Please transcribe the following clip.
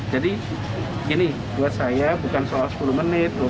jadi ini buat saya bukan soal sepuluh menit